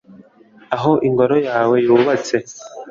aho ingoro yawe yubatse